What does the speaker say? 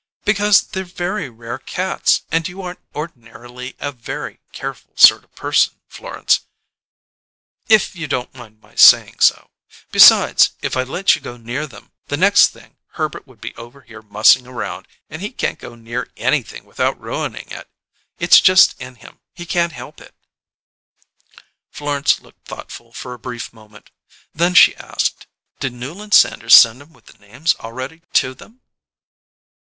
"Because they're very rare cats, and you aren't ordinarily a very careful sort of person, Florence, if you don't mind my saying so. Besides, if I let you go near them, the next thing Herbert would be over here mussing around, and he can't go near anything without ruining it! It's just in him; he can't help it." Florence looked thoughtful for a brief moment; then she asked: "Did Newland Sanders send 'em with the names already to them?"